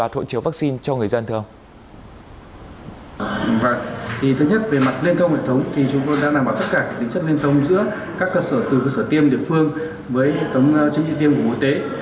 từ cơ sở tiêm địa phương với hệ thống chứng nhận tiêm của bộ y tế